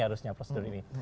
harusnya prosedurnya ini